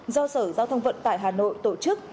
do sở giao thông vận tải hà nội tổ chức